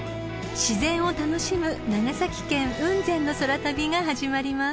［自然を楽しむ長崎県雲仙の空旅が始まります］